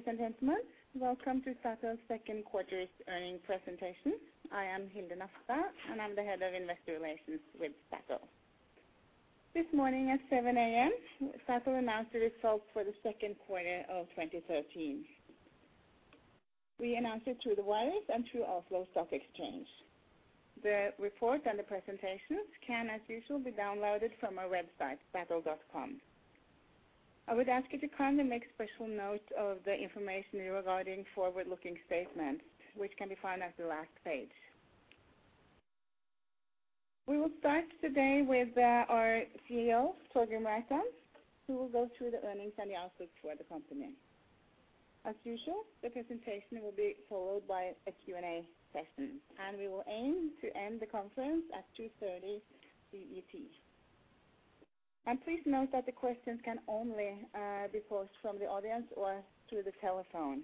Good morning, ladies and gentlemen. Welcome to Statoil's second quarter earnings presentation. I am Hilde Nafstad, and I'm the head of investor relations with Statoil. This morning at 7:00 A.M., Statoil announced the results for the second quarter of 2013. We announced it through the wires and through Oslo Stock Exchange. The report and the presentations can, as usual, be downloaded from our website, statoil.com. I would ask you to kindly make special note of the information regarding forward-looking statements, which can be found at the last page. We will start today with our CEO, Helge Lund, who will go through the earnings and the outlook for the company. As usual, the presentation will be followed by a Q&A session, and we will aim to end the conference at 2:30 P.M. CET. Please note that the questions can only be posed from the audience or through the telephone.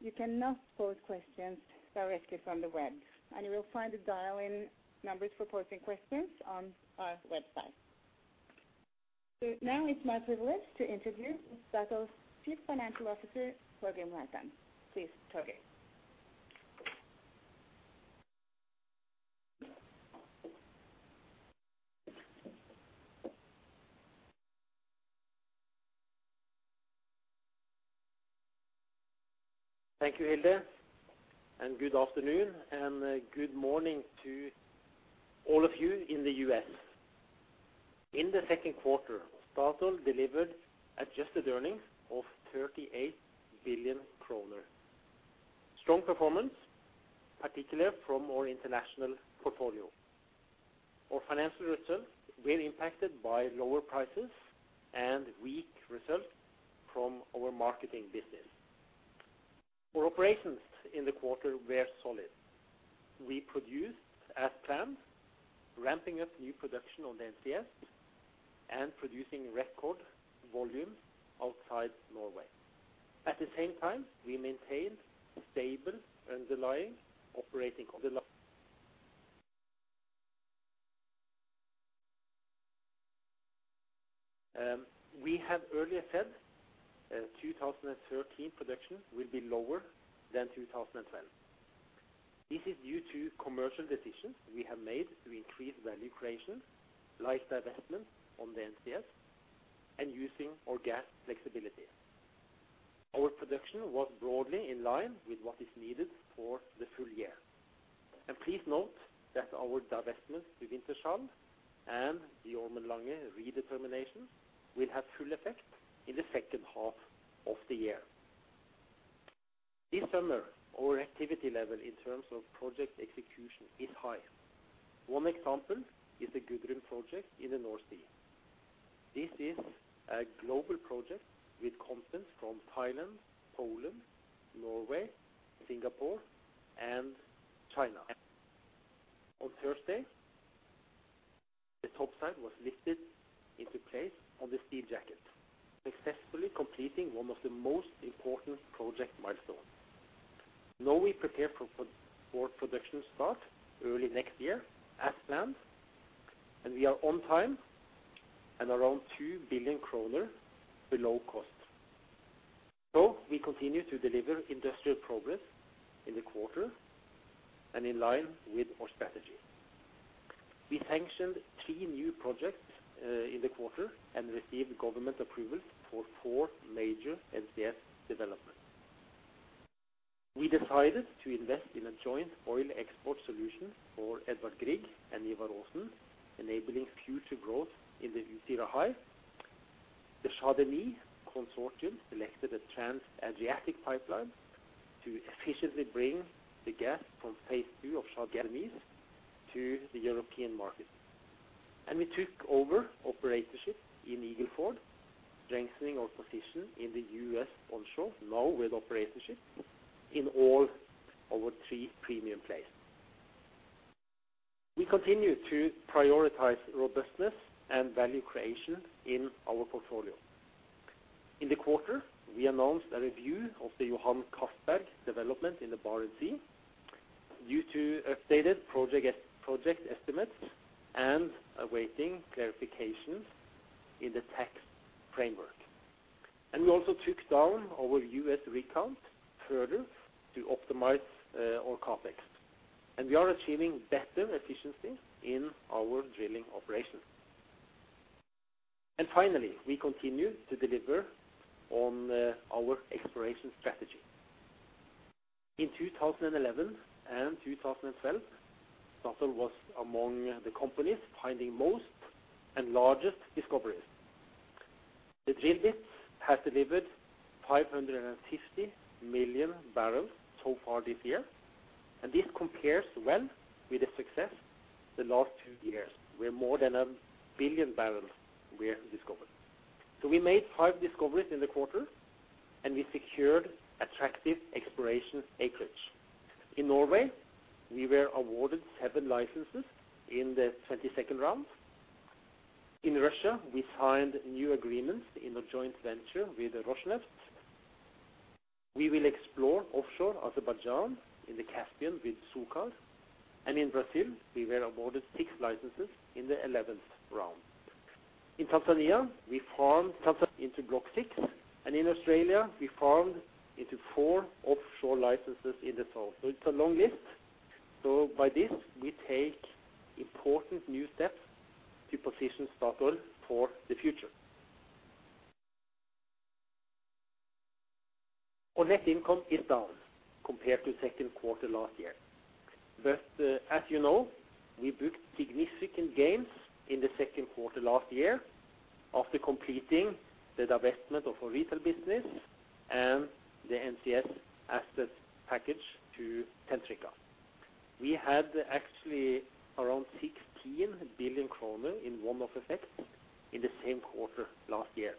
You cannot pose questions directly from the web, and you will find the dial-in numbers for posing questions on our website. Now it's my privilege to introduce Statoil's Chief Financial Officer, Torgrim Reitan. Please, Torgrim. Thank you, Hilde, and good afternoon, and good morning to all of you in the U.S. In the second quarter, Statoil delivered adjusted earnings of 38 billion kroner. Strong performance, particularly from our international portfolio. Our financial results were impacted by lower prices and weak results from our marketing business. Our operations in the quarter were solid. We produced as planned, ramping up new production on the NCS and producing record volumes outside Norway. At the same time, we maintained stable underlying. We have earlier said 2013 production will be lower than 2012. This is due to commercial decisions we have made to increase value creation, like divestments on the NCS, and using our gas flexibility. Our production was broadly in line with what is needed for the full year. Please note that our divestment with Wintershall and the Ormen Lange redetermination will have full effect in the second half of the year. This summer, our activity level in terms of project execution is high. One example is the Gudrun project in the North Sea. This is a global project with components from Thailand, Poland, Norway, Singapore, and China. On Thursday, the topside was lifted into place on the steel jacket, successfully completing one of the most important project milestones. Now we prepare for production start early next year as planned, and we are on time and around 2 billion kroner below cost. We continue to deliver industrial progress in the quarter and in line with our strategy. We sanctioned three new projects in the quarter and received government approval for four major NCS developments. We decided to invest in a joint oil export solution for Edvard Grieg and Ivar Aasen, enabling future growth in the Utsira High. The Shah Deniz consortium selected a Trans-Adriatic Pipeline to efficiently bring the gas from phase two of Shah Deniz to the European market. We took over operatorship in Eagle Ford, strengthening our position in the U.S. onshore now with operatorship in all our three premium plays. We continue to prioritize robustness and value creation in our portfolio. In the quarter, we announced a review of the Johan Castberg development in the Barents Sea due to updated project estimates and awaiting clarifications in the tax framework. We also took down our U.S. rig count further to optimize our CapEx. We are achieving better efficiency in our drilling operations. Finally, we continue to deliver on our exploration strategy. In 2011 and 2012, Statoil was among the companies finding most and largest discoveries. The drill bit has delivered 550 MMbbl so far this year, and this compares well with the success the last two years, where more than 1 billion barrels were discovered. We made five discoveries in the quarter, and we secured attractive exploration acreage. In Norway, we were awarded seven licenses in the 22nd round. In Russia, we signed new agreements in a joint venture with Rosneft. We will explore offshore Azerbaijan in the Caspian with SOCAR. In Brazil, we were awarded six licenses in the 11th round. In Tanzania, we farmed into Block 6. In Australia, we farmed into four offshore licenses in the south. It's a long list. By this, we take important new steps to position Statoil for the future. Our net income is down compared to second quarter last year. As you know, we booked significant gains in the second quarter last year after completing the divestment of our retail business and the NCS Assets package to Centrica. We had actually around 16 billion kroner in one-off effects in the same quarter last year.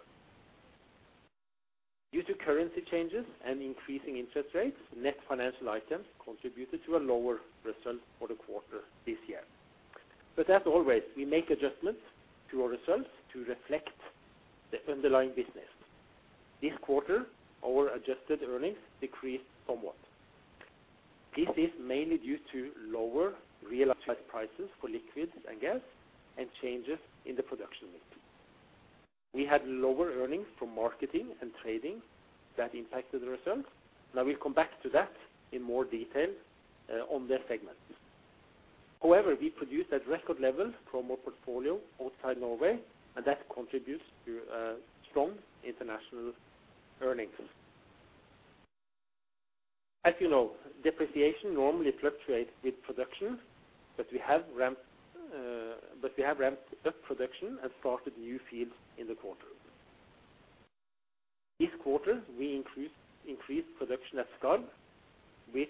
Due to currency changes and increasing interest rates, net financial items contributed to a lower result for the quarter this year. As always, we make adjustments to our results to reflect the underlying business. This quarter, our adjusted earnings decreased somewhat. This is mainly due to lower realized prices for liquids and gas and changes in the production mix. We had lower earnings from marketing and trading that impacted the results, and I will come back to that in more detail on that segment. However, we produced at record levels from our portfolio outside Norway, and that contributes to strong international earnings. As you know, depreciation normally fluctuates with production, but we have ramped up production and started new fields in the quarter. This quarter, we increased production at Skarv with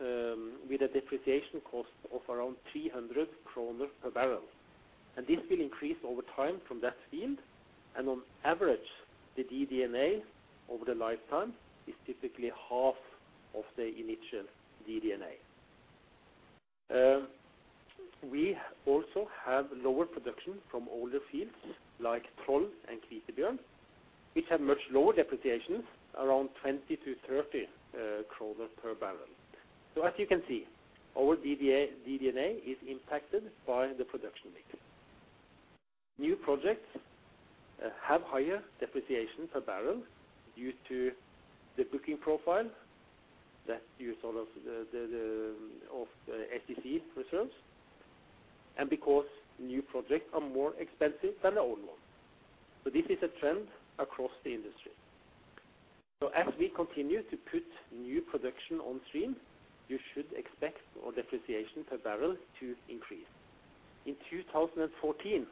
a depreciation cost of around 300 kroner per barrel. This will increase over time from that field and on average, the DD&A over the lifetime is typically half of the initial DD&A. We also have lower production from older fields like Troll and Kvitebjørn, which have much lower depreciation, around 20-30 kroner per barrel. As you can see, our DD&A is impacted by the production mix. New projects have higher depreciation per barrel due to the booking profile that you saw of the FCP reserves, and because new projects are more expensive than the old ones. This is a trend across the industry. As we continue to put new production on stream, you should expect our depreciation per barrel to increase. In 2014,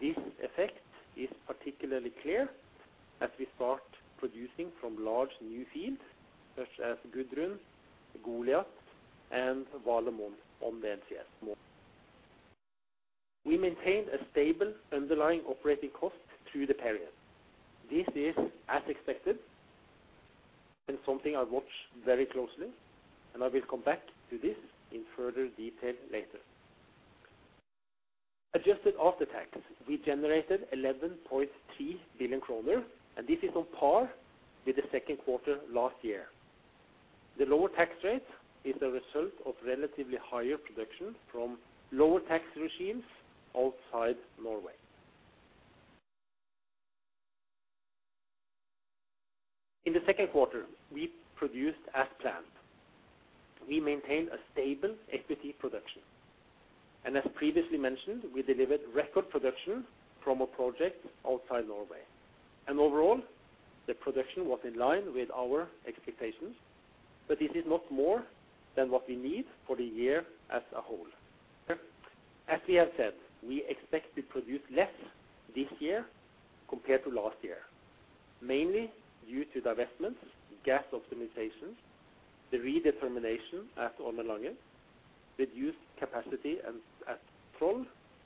this effect is particularly clear as we start producing from large new fields such as Gudrun, Goliat, and Valemon on the NCS. We maintained a stable underlying operating cost through the period. This is as expected and something I watch very closely, and I will come back to this in further detail later. Adjusted after tax, we generated 11.3 billion kroner, and this is on par with the second quarter last year. The lower tax rate is the result of relatively higher production from lower tax regimes outside Norway. In the second quarter, we produced as planned. We maintained a stable FCP production. As previously mentioned, we delivered record production from a project outside Norway. Overall, the production was in line with our expectations. This is not more than what we need for the year as a whole. As we have said, we expect to produce less this year compared to last year, mainly due to divestments, gas optimizations, the redetermination at Ormen Lange, reduced capacity at Troll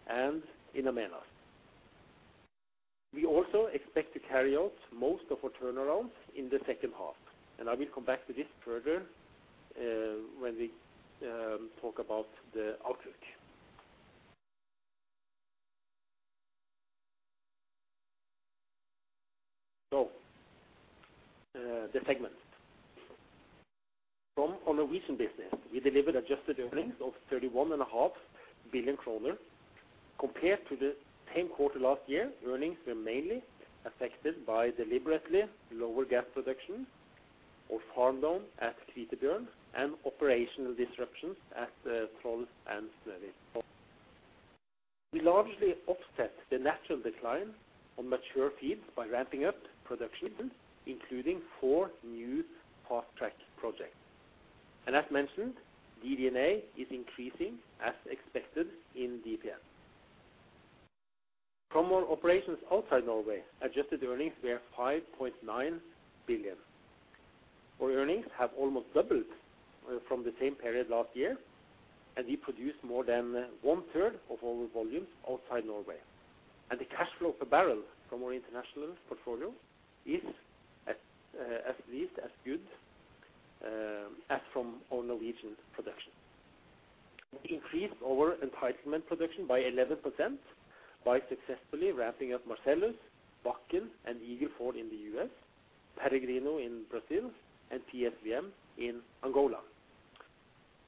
and in In Amenas. We also expect to carry out most of our turnarounds in the second half. I will come back to this further, when we talk about the outlook. The segment. From our Norwegian business, we delivered adjusted earnings of 31.5 billion kroner. Compared to the same quarter last year, earnings were mainly affected by deliberately lower gas production and farm-down at Kvitebjørn and operational disruptions at the Troll and Snorre. We largely offset the natural decline on mature fields by ramping up production, including four new fast-track projects. As mentioned, DD&A is increasing as expected in DPN. From our operations outside Norway, adjusted earnings were 5.9 billion. Our earnings have almost doubled from the same period last year, and we produce more than one-third of our volumes outside Norway. The cash flow per barrel from our international portfolio is at least as good as from our Norwegian production. Increased our entitlement production by 11% by successfully ramping up Marcellus, Bakken, and Eagle Ford in the U.S., Peregrino in Brazil, and PSVM in Angola.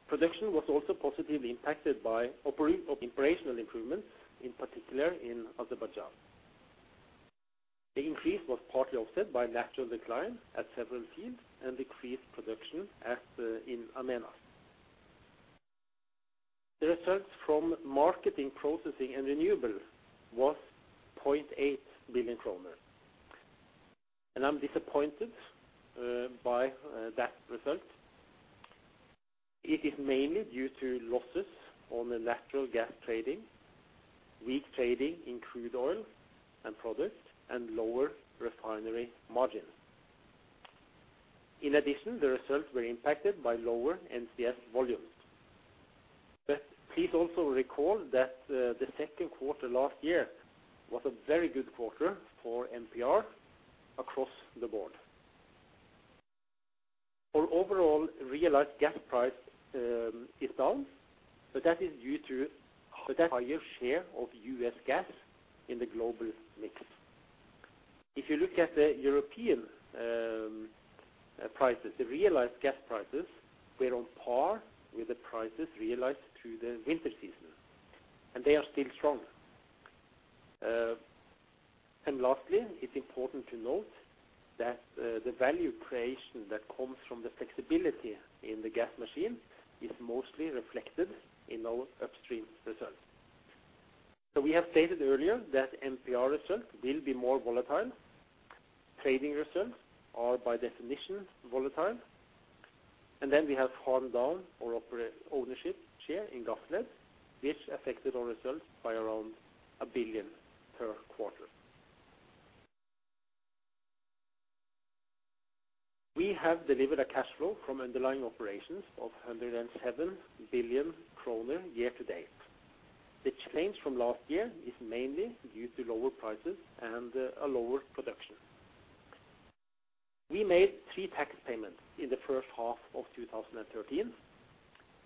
Production was also positively impacted by operational improvements, in particular in Azerbaijan. The increase was partly offset by natural decline at several fields and decreased production at In Amenas. The results from marketing, processing, and renewable was 0.8 billion kroner. I'm disappointed by that result. It is mainly due to losses on the natural gas trading, weak trading in crude oil and products, and lower refinery margins. In addition, the results were impacted by lower NCS volumes. Please also recall that the second quarter last year was a very good quarter for MPR across the board. Our overall realized gas price is down, but that is due to the higher share of U.S. gas in the global mix. If you look at the European prices, the realized gas prices were on par with the prices realized through the winter season, and they are still strong. Lastly, it's important to note that the value creation that comes from the flexibility in the gas machine is mostly reflected in our upstream results. We have stated earlier that MPR results will be more volatile. Trading results are by definition volatile. We have ramped down our ownership share in Gassled, which affected our results by around $1 billion per quarter. We have delivered a cash flow from underlying operations of 107 billion kroner year to date. The change from last year is mainly due to lower prices and a lower production. We made three tax payments in the first half of 2013,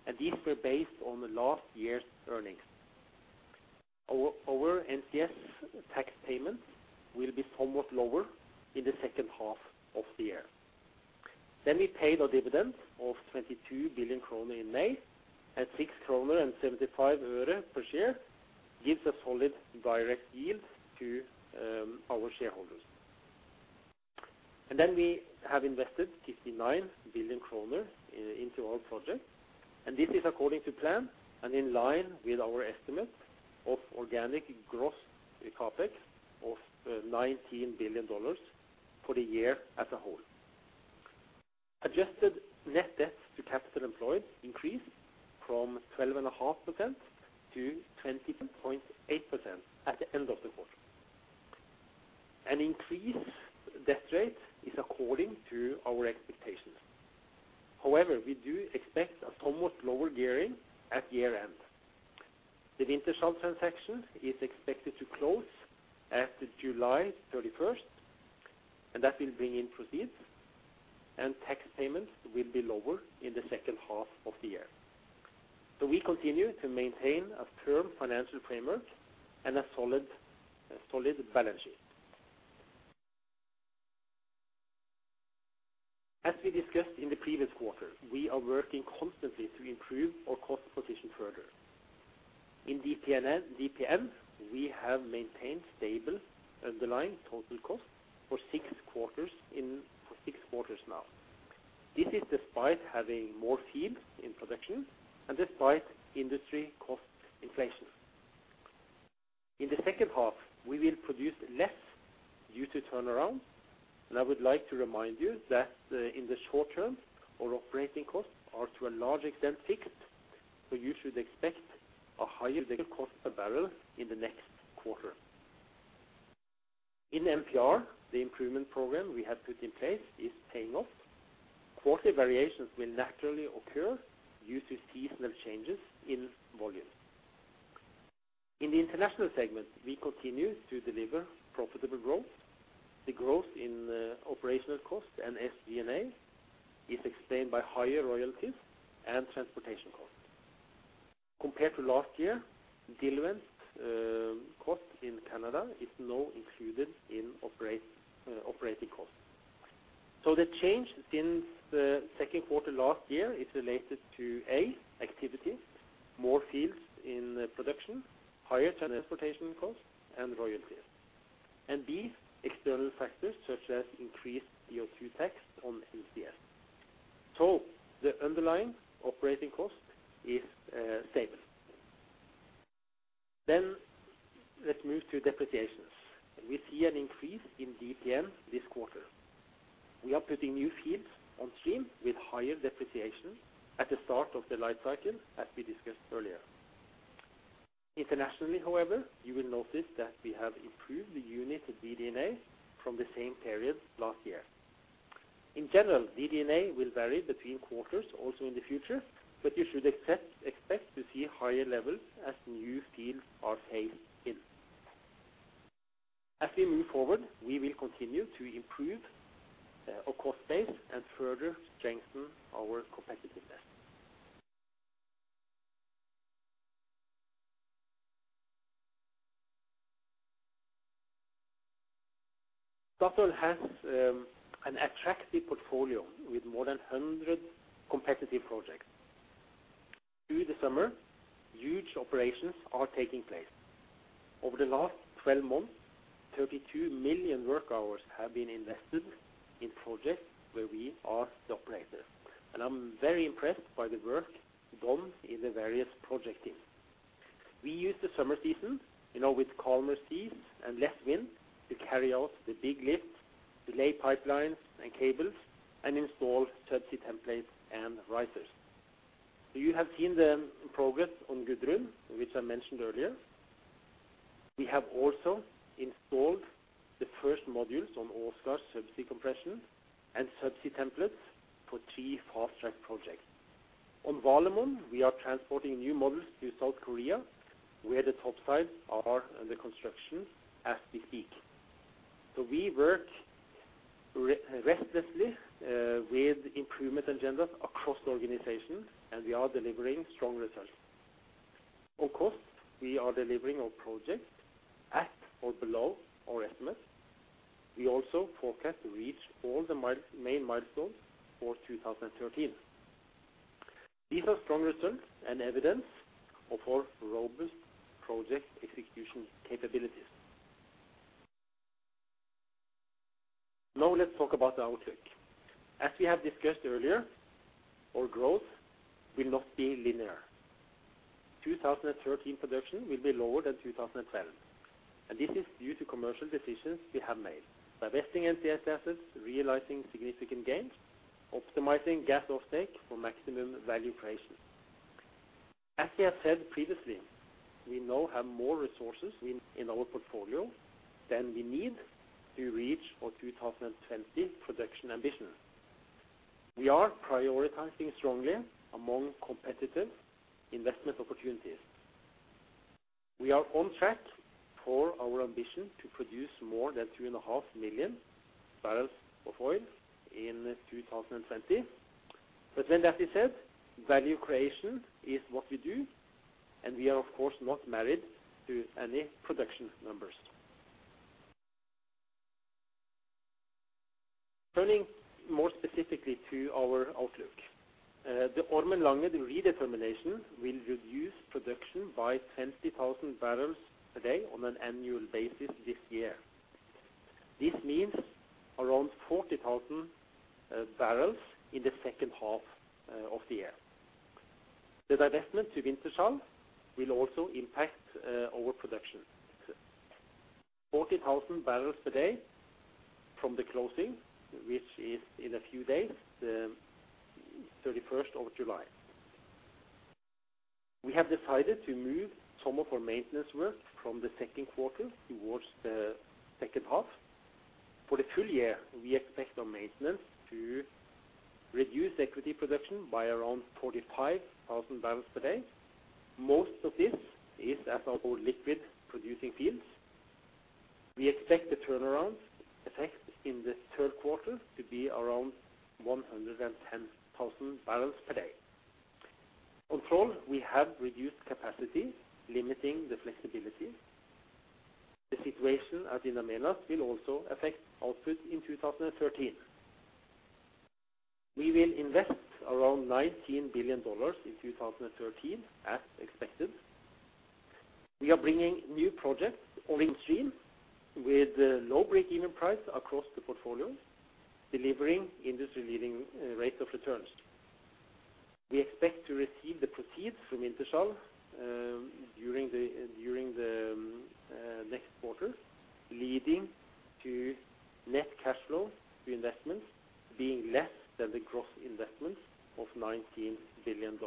and these were based on last year's earnings. Our NCS tax payments will be somewhat lower in the second half of the year. We paid our dividends of 22 billion kroner in May, and NOK 6.75 per share gives a solid dividend yield to our shareholders. We have invested 59 billion kroner into our projects, and this is according to plan and in line with our estimate of organic gross CapEx of $19 billion for the year as a whole. Adjusted net debt to capital employed increased from 12.5% to 20.8% at the end of the quarter. An increased debt rate is according to our expectations. However, we do expect a somewhat lower gearing at year-end. The Wintershall transaction is expected to close after July 31st, and that will bring in proceeds, and tax payments will be lower in the second half of the year. We continue to maintain a firm financial framework and a solid balance sheet. As we discussed in the previous quarter, we are working constantly to improve our cost position further. In DPN and DPM, we have maintained stable underlying total cost for six quarters now. This is despite having more fields in production and despite industry cost inflation. In the second half, we will produce less due to turnaround, and I would like to remind you that in the short term, our operating costs are to a large extent fixed, so you should expect a higher cost per barrel in the next quarter. In MPR, the improvement program we have put in place is paying off. Quarterly variations will naturally occur due to seasonal changes in volume. In the international segment, we continue to deliver profitable growth. The growth in operating costs and DD&A is explained by higher royalties and transportation costs. Compared to last year, diluent cost in Canada is now included in operating costs. The change since the second quarter last year is related to A, activities, more fields in production, higher transportation costs, and royalties. B, external factors such as increased CO2 tax on NCS. The underlying operating cost is stable. Let's move to depreciations. We see an increase in DPN this quarter. We are putting new fields on stream with higher depreciation at the start of the life cycle, as we discussed earlier. Internationally, however, you will notice that we have improved the unit DD&A from the same period last year. In general, DD&A will vary between quarters also in the future, but you should expect to see higher levels as new fields are put in. We will continue to improve our cost base and further strengthen our competitiveness. Statoil has an attractive portfolio with more than 100 competitive projects. Through the summer, huge operations are taking place. Over the last 12 months, 32 million work hours have been invested in projects where we are the operator, and I'm very impressed by the work done in the various project teams. We use the summer season, you know, with calmer seas and less wind to carry out the big lifts, lay pipelines and cables, and install subsea templates and risers. You have seen the progress on Gudrun, which I mentioned earlier. We have also installed the first modules on Aasta Hansteen subsea compression and subsea templates for three fast-track projects. On Valemon, we are transporting new modules to South Korea, where the topside are under construction as we speak. We work restlessly with improvement agendas across the organization, and we are delivering strong results. Of course, we are delivering our projects at or below our estimates. We also forecast to reach all the main milestones for 2013. These are strong results and evidence of our robust project execution capabilities. Now let's talk about our outlook. As we have discussed earlier, our growth will not be linear. 2013 production will be lower than 2012, and this is due to commercial decisions we have made. Divesting NCS assets, realizing significant gains, optimizing gas offtake for maximum value creation. As we have said previously, we now have more resources in our portfolio than we need to reach our 2020 production ambition. We are prioritizing strongly among competitive investment opportunities. We are on track for our ambition to produce more than 3.5 MMbbl of oil in 2020. As we said, value creation is what we do, and we are of course not married to any production numbers. Turning more specifically to our outlook, the Ormen Lange redetermination will reduce production by 20,000 bpd on an annual basis this year. This means around 40,000 bbl in the second half of the year. The divestment to Wintershall will also impact our production. 40,000 bpd from the closing, which is in a few days, 31st of July. We have decided to move some of our maintenance work from the second quarter towards the second half. For the full year, we expect our maintenance to reduce equity production by around 45,000 bpd. Most of this is at our oil and liquid producing fields. We expect the turnaround effect in the third quarter to be around 110,000 bpd. Currently, we have reduced capacity, limiting the flexibility. The situation at In Amenas will also affect output in 2013. We will invest around $19 billion in 2013, as expected. We are bringing new projects online with low break-even price across the portfolio, delivering industry-leading rates of return. We expect to receive the proceeds from Wintershall during the next quarter, leading to net cash flow to investments being less than the gross investments of $19 billion.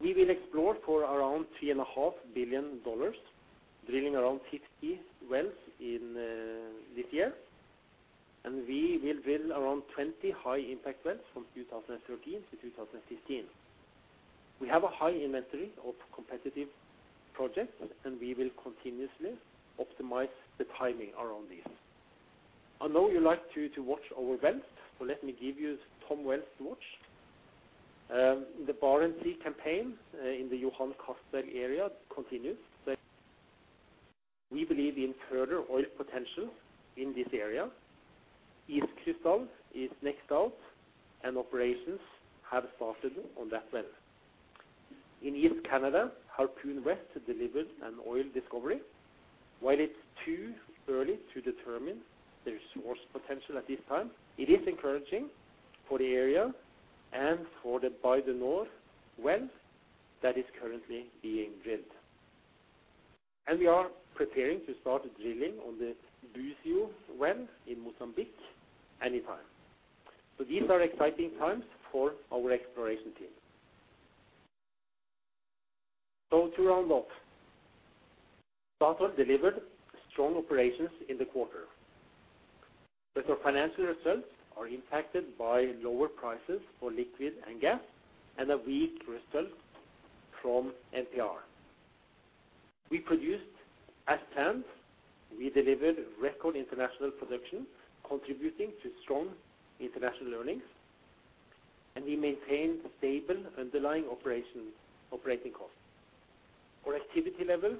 We will explore for around $3.5 billion, drilling around 50 wells in this year, and we will drill around 20 high-impact wells from 2013 to 2015. We have a high inventory of competitive projects, and we will continuously optimize the timing around this. I know you like to watch our wells, so let me give you some wells to watch. The Barents Sea campaign in the Johan Castberg area continues. We believe in further oil potential in this area. Iskrystall is next out, and operations have started on that well. In East Canada, Harpoon delivered an oil discovery. While it's too early to determine the resource potential at this time, it is encouraging for the area and for the Bay du Nord well that is currently being drilled. We are preparing to start drilling on the Buzio well in Mozambique anytime. These are exciting times for our exploration team. To round up, Statoil delivered strong operations in the quarter. Our financial results are impacted by lower prices for liquids and gas and a weak result from MPR. We produced as planned, we delivered record international production contributing to strong international earnings, and we maintained stable underlying operations, operating costs. Our activity level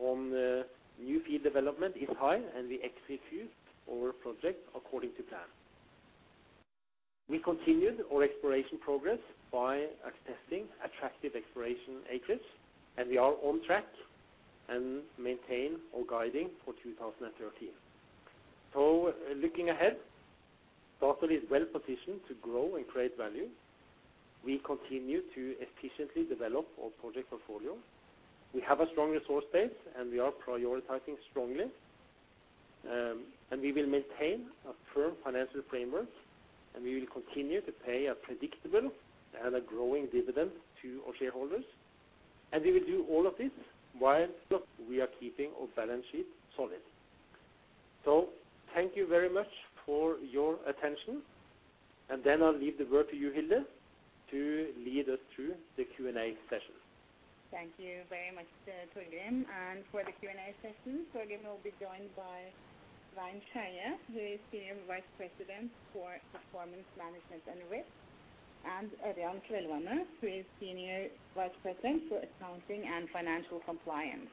on the new field development is high, and we execute our project according to plan. We continued our exploration progress by accessing attractive exploration acres, and we are on track and maintain our guidance for 2013. Looking ahead, Statoil is well-positioned to grow and create value. We continue to efficiently develop our project portfolio. We have a strong resource base, and we are prioritizing strongly. We will maintain a firm financial framework, and we will continue to pay a predictable and a growing dividend to our shareholders. We will do all of this while we are keeping our balance sheet solid. Thank you very much for your attention. I'll leave the word to you, Hilde, to lead us through the Q&A session. Thank you very much, Torgrim. For the Q&A session, Torgrim will be joined by Svein Skeie, who is Senior Vice President for Performance Management and Risk, and Ørjan Kvelvane, who is Senior Vice President for Accounting and Financial Compliance.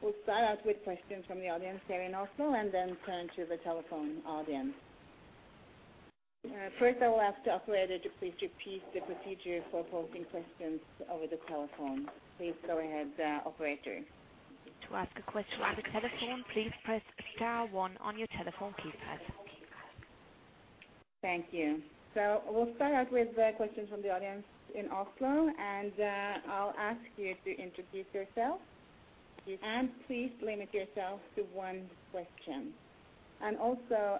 We'll start out with questions from the audience here in Oslo and then turn to the telephone audience. First I will ask the operator to please repeat the procedure for posing questions over the telephone. Please go ahead, operator. To ask a question on the telephone, please press star one on your telephone keypad. Thank you. We'll start out with the questions from the audience in Oslo, and I'll ask you to introduce yourself. Please limit yourself to one question. Also,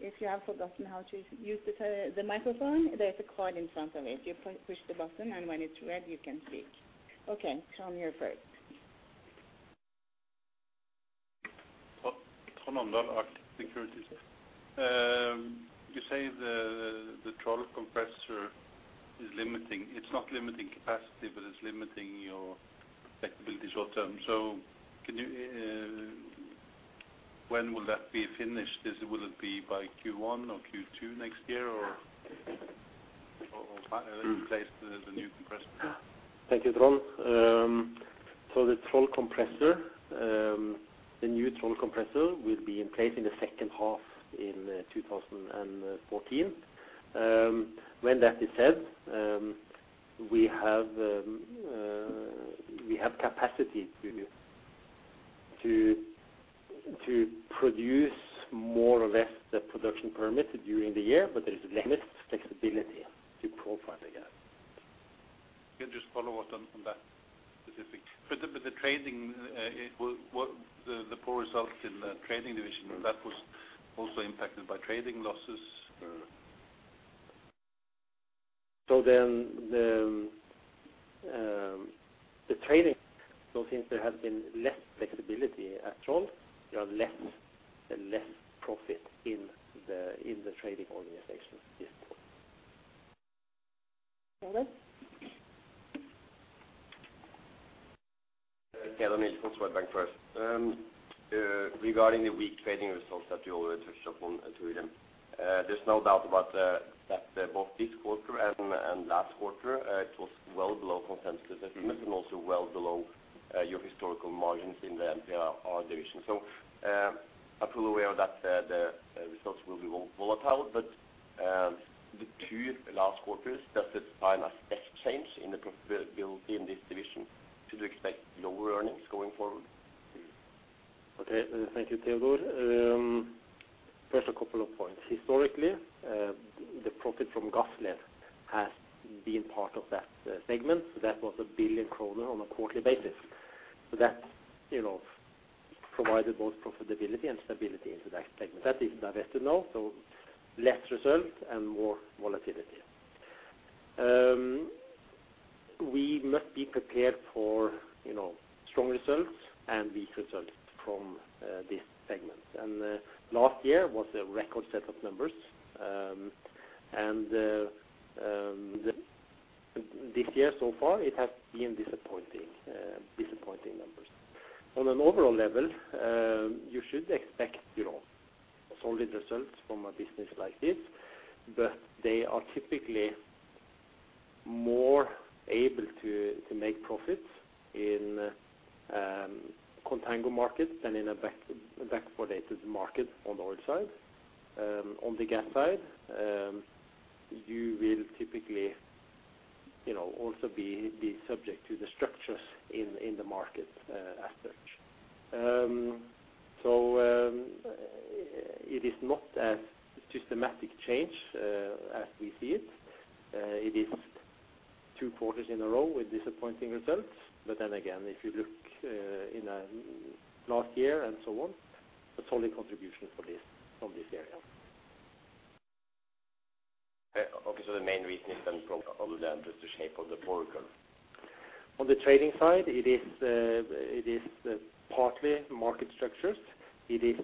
if you have forgotten how to use the microphone, there's a card in front of it. You push the button, and when it's red, you can speak. Okay, Trond, you're first. Trond Omdal, Arctic Securities. You say the Troll compressor is limiting. It's not limiting capacity, but it's limiting your flexibility short term. Can you, when will that be finished? Will it be by Q1 or Q2 next year or finally replaced with the new compressor? Thank you, Trond. The Troll compressor, the new Troll compressor will be in place in the second half in 2014. When that is said, we have capacity to produce more or less the production permitted during the year, but there is limited flexibility to profile the gas. Can I just follow up on that specific? For the trading, what the poor results in the trading division, that was also impacted by trading losses? The trading, so since there has been less flexibility at Troll, there are less and less profit in the trading organization this quarter. Teodor? Okay, let me from Swedbank first. Regarding the weak trading results that you already touched upon, Torgrim, there's no doubt about that, both this quarter and last quarter, it was well below consensus estimates and also well below your historical margins in the MPR division. I'm fully aware that the results will be volatile, but the two last quarters, does it signal a step change in the profitability in this division? Should we expect lower earnings going forward? Okay. Thank you, Teodor. First, a couple of points. Historically, the profit from Gassled has been part of that segment. That was 1 billion kroner on a quarterly basis. That, you know, provided both profitability and stability into that segment. That is divested now, less results and more volatility. We must be prepared for strong results and weak results from this segment. Last year was a record set of numbers. This year so far it has been disappointing numbers. On an overall level, you should expect solid results from a business like this, but they are typically more able to make profits in contango markets than in a backwardated market on the oil side. On the gas side, you will typically, you know, also be subject to the structures in the market, as such. It is not a systematic change, as we see it. It is two quarters in a row with disappointing results. Then again, if you look in last year and so on, a solid contribution for this, from this area. Okay, the main reason is then from all of them, just the shape of the forward curve. On the trading side, it is partly market structures. It is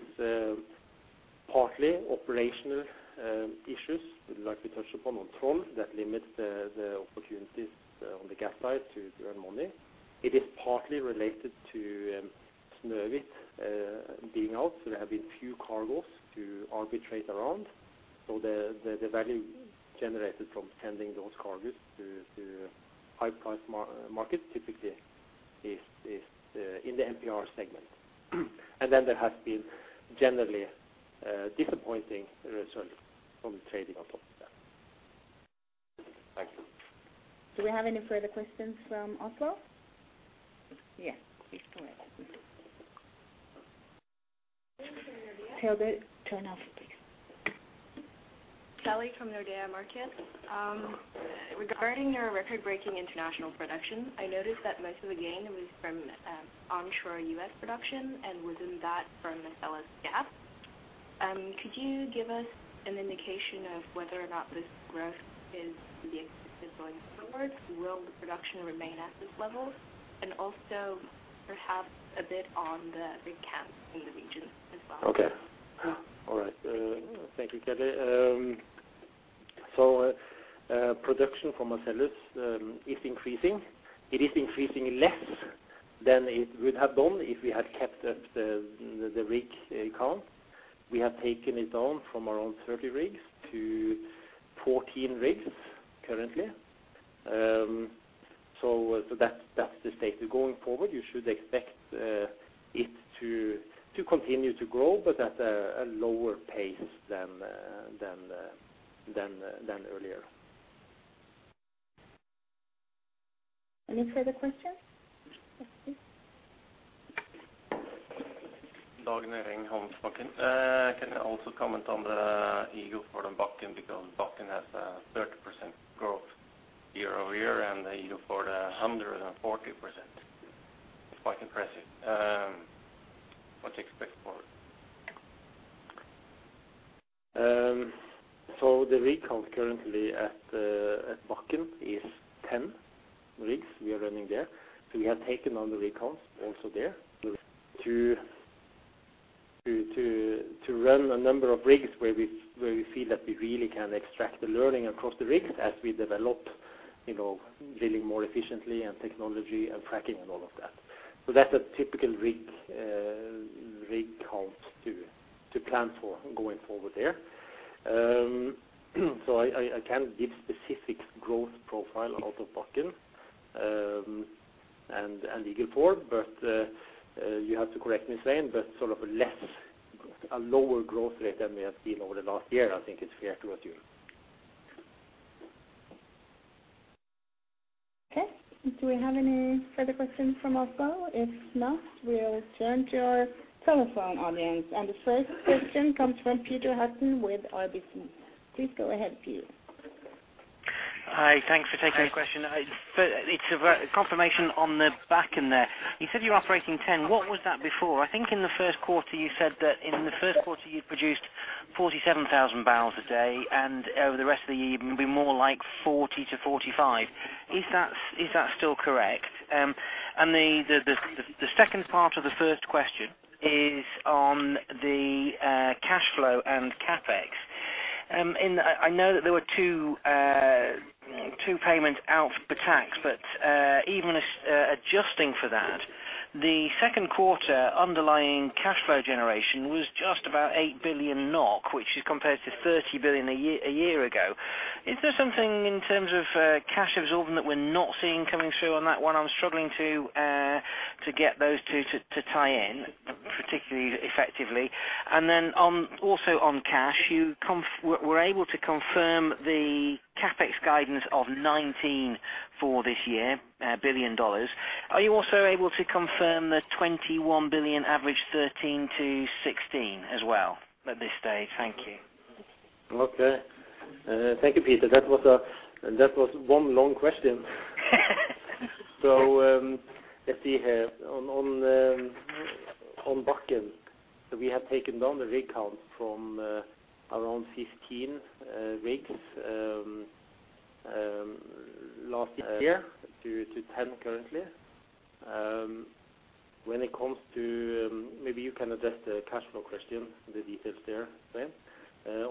partly operational issues we'd like to touch upon on Troll that limits the opportunities on the gas side to earn money. It is partly related to Snøhvit being out, so there have been few cargos to arbitrate around. The value generated from sending those cargos to high-priced markets typically is in the MPR segment. Then there has been generally disappointing results from trading on top of that. Thank you. Do we have any further questions from Oslo? Yes, please go ahead. From Nordea. Turn off, please. Kelly from Nordea Markets. Regarding your record-breaking international production, I noticed that most of the gain was from onshore U.S. production, and within that from Marcellus Gas. Could you give us an indication of whether or not this growth is to be expected going forwards? Will the production remain at this level? Also perhaps a bit on the rig count in the region as well. Okay. All right. Thank you, Kelly. Production from Marcellus is increasing. It is increasing less than it would have done if we had kept up the rig count. We have taken it down from around 30 rigs to 14 rigs currently. That's the state. Going forward, you should expect it to continue to grow, but at a lower pace than earlier. Any further questions? Yes, please. Dag Ring from Handelsbanken. Can I also comment on the Eagle Ford and Bakken because Bakken has a 30% growth year-over-year and the Eagle Ford a hundred and forty percent. It's quite impressive. What to expect forward? The rig count currently at Bakken is 10 rigs we are running there. We have taken on the rig counts also there to run a number of rigs where we feel that we really can extract the learning across the rigs as we develop, you know, drilling more efficiently and technology and fracking and all of that. That's a typical rig count to plan for going forward there. I can't give specific growth profile out of Bakken and Eagle Ford, but you have to correct me, Svein, but sort of a lower growth rate than we have seen over the last year, I think is fair to assume. Okay. Do we have any further questions from Oslo? If not, we'll turn to our telephone audience. The first question comes from Peter Hutton with RBC. Please go ahead, Peter. Hi. Thanks for taking the question. It's a confirmation on the Bakken there. You said you're operating 10. What was that before? I think in the first quarter you said that in the first quarter you produced 47,000 bpd, and over the rest of the year it would be more like 40,000 bpd-45,000bpd. Is that still correct? And the second part of the first question is on the cash flow and CapEx. And I know that there were two payments out for tax, but even adjusting for that, the second quarter underlying cash flow generation was just about 8 billion NOK, which is compared to 30 billion a year ago. Is there something in terms of cash absorption that we're not seeing coming through on that one? I'm struggling to get those two to tie in particularly effectively. Then, also on cash, you were able to confirm the CapEx guidance of $19 billion for this year. Are you also able to confirm the $21 billion average $13 billion-$16 billion as well at this stage? Thank you. Okay. Thank you, Peter. That was one long question. Let's see here. On Bakken, we have taken down the rig count from around 15 rigs last year to 10 currently. When it comes to, maybe you can address the cash flow question, the details there, Svein.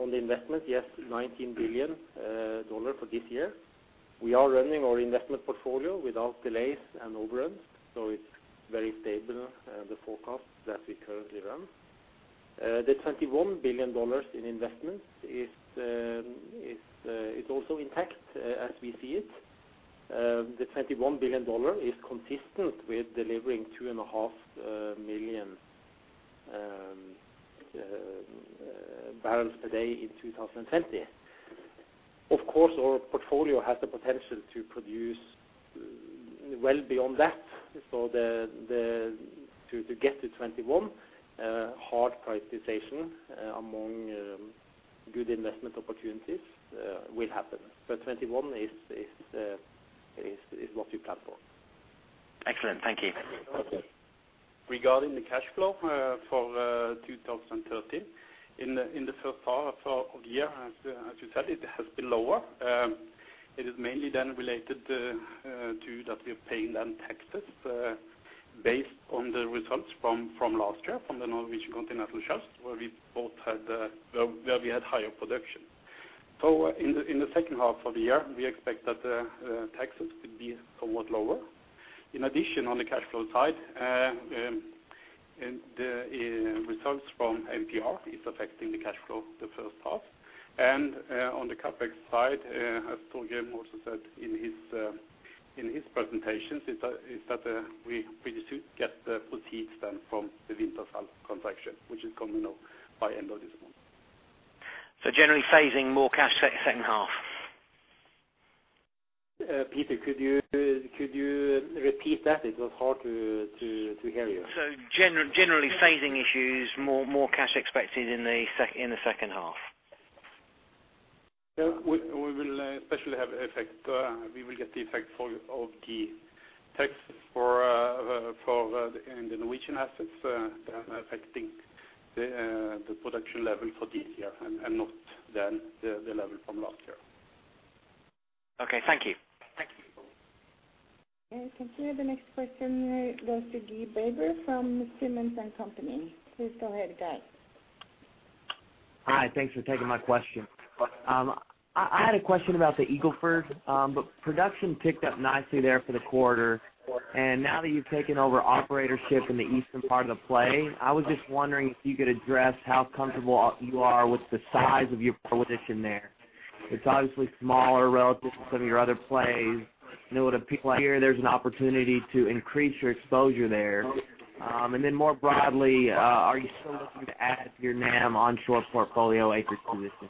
On the investment, yes, $19 billion for this year. We are running our investment portfolio without delays and overruns, so it's very stable, the forecast that we currently run. The $21 billion in investments is also intact as we see it. The $21 billion is consistent with delivering 2.5 MMbpd in 2020. Of course, our portfolio has the potential to produce well beyond that. To get to $21 billion, hard prioritization among good investment opportunities will happen. $21 billion is what we plan for. Excellent. Thank you. Regarding the cash flow for 2013, in the first half of the year, as you said, it has been lower. It is mainly then related to that we are paying the taxes based on the results from last year, from the Norwegian Continental Shelf, where we had higher production. In the second half of the year, we expect that taxes could be somewhat lower. In addition, on the cash flow side, in the results from MPR is affecting the cash flow in the first half. On the CapEx side, as Torgrim also said in his presentations, is that we just do get the proceeds then from the Wintershall transaction, which is coming up by end of this month. Generally phasing more cash second half. Peter, could you repeat that? It was hard to hear you. Generally phasing issues, more cash expected in the second half. Yeah. We will get the effect of the tax in the Norwegian assets, affecting the production level for this year and not then the level from last year. Okay. Thank you. Thank you. Continue the next question goes to Guy Baber from Simmons & Company. Please go ahead, Guy. Hi. Thanks for taking my question. I had a question about the Eagle Ford. Production picked up nicely there for the quarter. Now that you've taken over operatorship in the eastern part of the play, I was just wondering if you could address how comfortable you are with the size of your position there. It's obviously smaller relative to some of your other plays. You know, when people hear there's an opportunity to increase your exposure there. More broadly, are you still looking to add to your NAM onshore portfolio acreage position?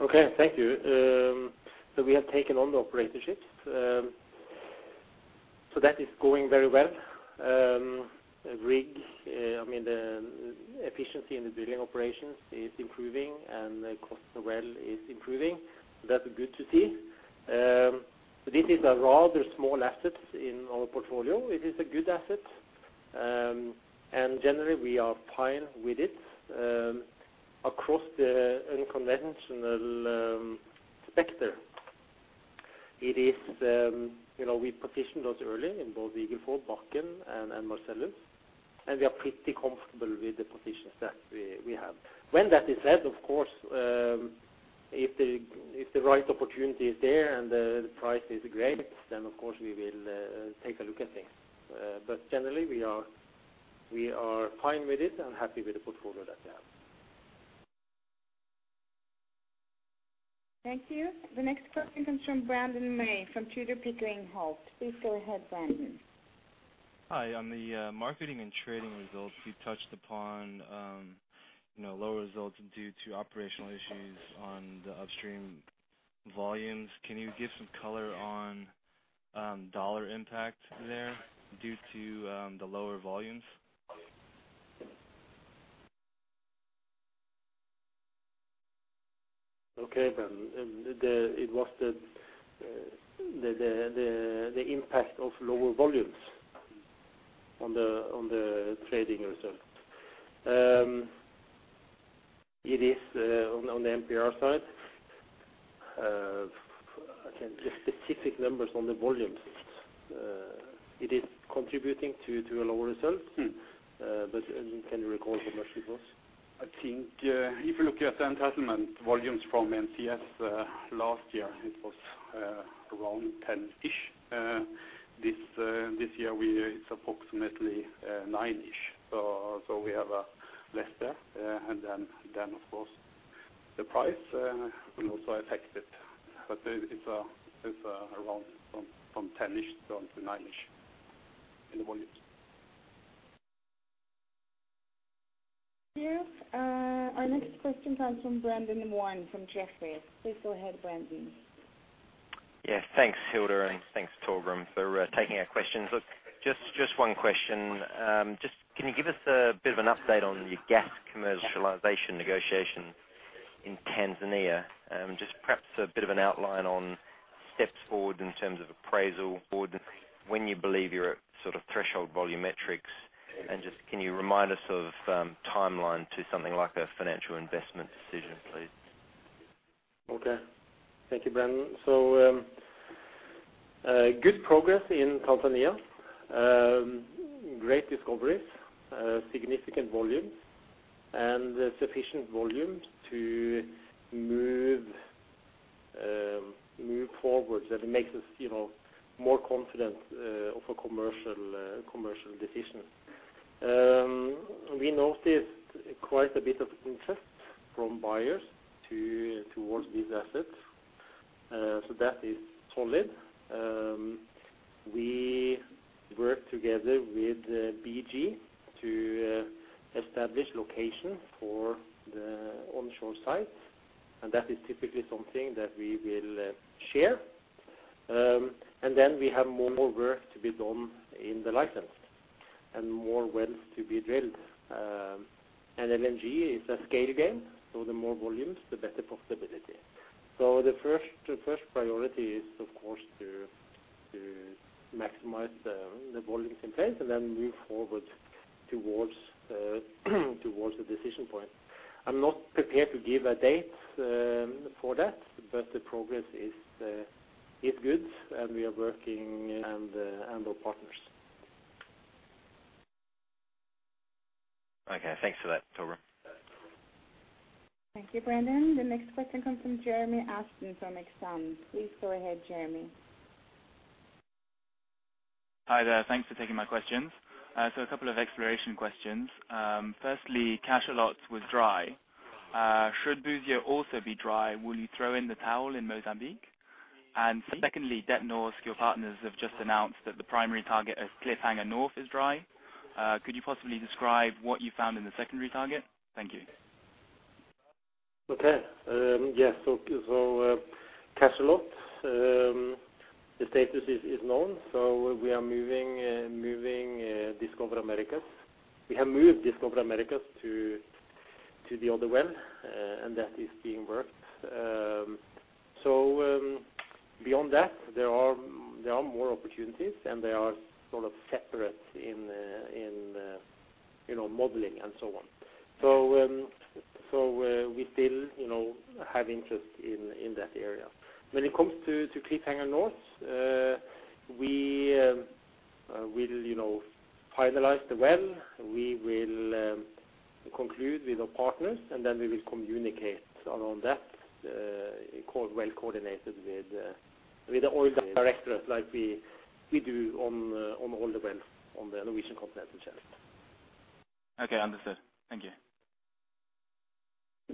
Okay, thank you. We have taken on the operatorships. That is going very well. I mean, the efficiency in the drilling operations is improving and the cost of well is improving. That's good to see. This is a rather small asset in our portfolio. It is a good asset, and generally we are fine with it, across the unconventional sector. It is, you know, we positioned those early in both Eagle Ford, Bakken and Marcellus, and we are pretty comfortable with the positions that we have. When that is said, of course, if the right opportunity is there and the price is great, then of course we will take a look at things. Generally we are fine with it and happy with the portfolio that we have. Thank you. The next question comes from Brandon Mei from Tudor, Pickering, Holt. Please go ahead, Brandon. Hi. On the marketing and trading results you touched upon, you know, lower results due to operational issues on the upstream volumes. Can you give some color on dollar impact there due to the lower volumes? Okay. It was the impact of lower volumes on the trading results. It is on the MPR side. I can't give specific numbers on the volumes. It is contributing to a lower result. Can you recall how much it was? I think if you look at the entitlement volumes from NCS last year it was around 10-ish. This year it's approximately nine-ish. We have less there. Then of course the price will also affect it. It's around from 10-ish down to nine-ish in the volumes. Yes. Our next question comes from Brendan Warn from Jefferies. Please go ahead, Brendan. Yeah. Thanks, Hilde, and thanks, Torgrim, for taking our questions. Look, just one question. Just can you give us a bit of an update on your gas commercialization negotiations in Tanzania? Just perhaps a bit of an outline on steps forward in terms of appraisal board, when you believe you're at sort of threshold volumetrics. Just can you remind us of timeline to something like a financial investment decision, please? Okay. Thank you, Brandon. Good progress in Tanzania. Great discoveries, significant volumes and sufficient volumes to move forward. That makes us, you know, more confident of a commercial decision. We noticed quite a bit of interest from buyers towards these assets, so that is solid. We work together with BG to establish location for the onshore site, and that is typically something that we will share. We have more work to be done in the license and more wells to be drilled. LNG is a scale game, so the more volumes, the better profitability. The first priority is of course to maximize the volumes in place and then move forward towards the decision point. I'm not prepared to give a date for that, but the progress is good, and we are working and our partners. Okay, thanks for that, Torgrim. Thank you, Brandon. The next question comes from Jeremy Aston from Exane. Please go ahead, Jeremy. Hi there. Thanks for taking my questions. A couple of exploration questions. Firstly, Cachalote was dry. Should Buzio also be dry, will you throw in the towel in Mozambique? Secondly, Det norske, your partners, have just announced that the primary target of Cliffhanger North is dry. Could you possibly describe what you found in the secondary target? Thank you. Yes. Cachalote, the status is known, so we are moving Discoverer Americas. We have moved Discoverer Americas to the other well, and that is being worked. Beyond that, there are more opportunities, and they are sort of separate in you know, modeling and so on. We still you know, have interest in that area. When it comes to Cliffhanger North, we will you know, finalize the well. We will conclude with our partners, and then we will communicate around that, well-coordinated with the Norwegian Petroleum Directorate like we do on all the wells on the Norwegian Continental Shelf. Okay, understood. Thank you.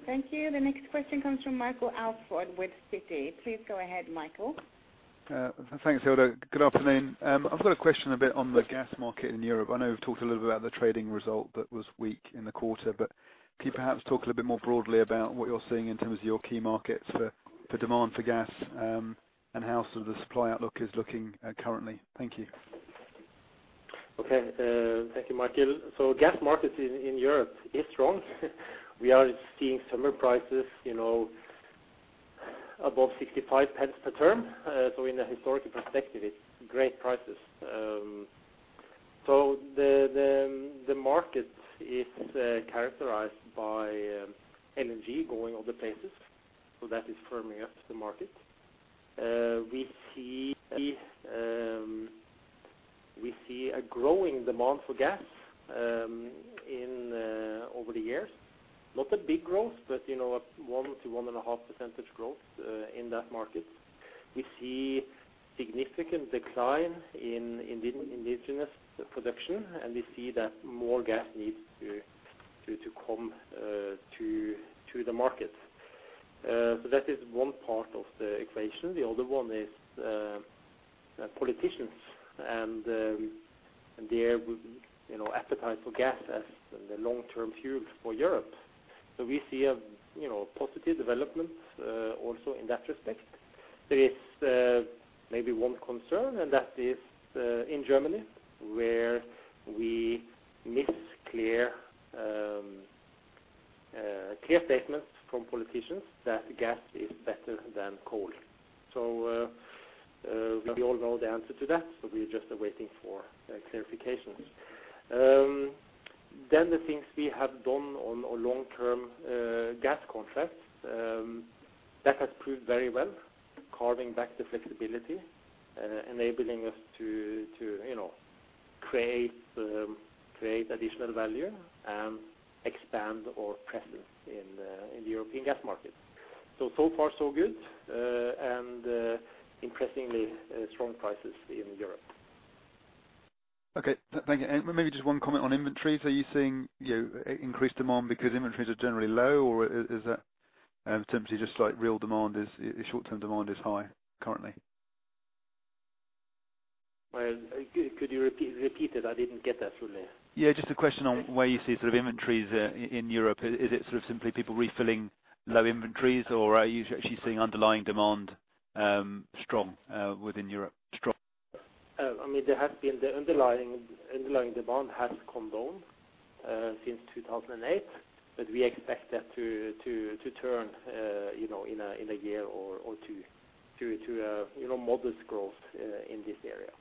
Thank you. The next question comes from Michael Alsford with Citi. Please go ahead, Michael. Thanks, Hilde. Good afternoon. I've got a question a bit on the gas market in Europe. I know we've talked a little bit about the trading result that was weak in the quarter, but can you perhaps talk a little bit more broadly about what you're seeing in terms of your key markets for demand for gas, and how sort of the supply outlook is looking, currently? Thank you. Okay. Thank you, Michael. Gas markets in Europe is strong. We are seeing summer prices, you know, above 65 pence per therm. In a historic perspective, it's great prices. The market is characterized by LNG going other places, so that is firming up the market. We see a growing demand for gas in over the years. Not a big growth, but you know, a 1%-1.5% growth in that market. We see significant decline in indigenous production, and we see that more gas needs to come to the market. That is one part of the equation. The other one is politicians and their appetite for gas as the long-term fuel for Europe. We see a you know positive development also in that respect. There is maybe one concern, and that is in Germany, where we miss clear statements from politicians that gas is better than coal. We all know the answer to that, but we just are waiting for clarifications. Then the things we have done on our long-term gas contracts that has proved very well, carving back the flexibility, enabling us to you know create additional value and expand our presence in the European gas market. So far so good, and interestingly strong prices in Europe. Okay. Thank you. Maybe just one comment on inventories. Are you seeing, you know, increased demand because inventories are generally low, or is that simply just like real demand is, short-term demand is high currently? Well, could you repeat it? I didn't get that fully. Yeah, just a question on where you see sort of inventories in Europe. Is it sort of simply people refilling low inventories, or are you actually seeing underlying demand strong within Europe, strong? I mean, there has been the underlying demand has come down since 2008, but we expect that to turn, you know, in a year or two to you know modest growth in this area.